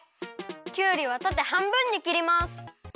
きゅうりはたてはんぶんにきります。